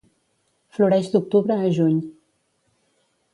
Floreix d'octubre a juny.